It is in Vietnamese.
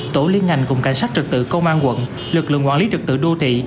tổ liên ngành cùng cảnh sát trật tự công an quận lực lượng quản lý trực tự đô thị